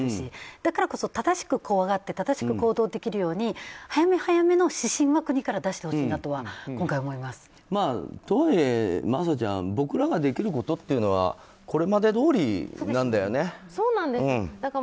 だからこそ、正しく怖がって正しく行動できるように早め早めの指針は国から出してほしいなととはいえ、真麻ちゃん僕らができることというのはこれまでどおりなんだよね。